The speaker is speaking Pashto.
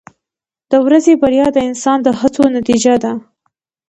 • د ورځې بریا د انسان د هڅو نتیجه ده.